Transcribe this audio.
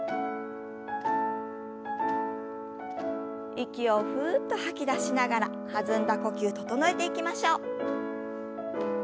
息をふっと吐き出しながら弾んだ呼吸を整えていきましょう。